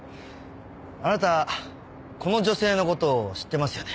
あなたこの女性の事を知ってますよね？